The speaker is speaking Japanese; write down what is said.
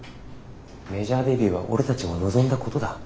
メジャーデビューは俺たちも望んだことだ。